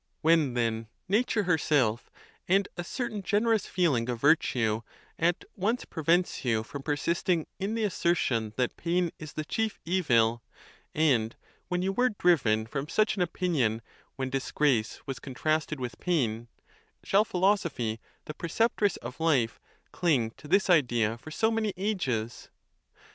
When, then, nature her self, and a certain generous feeling of virtue, at once pre vents you from persisting in the assertion that pain is the chief evil, and when you were driven from such an opin ion when disgrace was contrasted with pain, shall philoso phy, the preceptress of life, cling to this idea for so many anges?